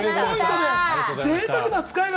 ぜいたくな使い方！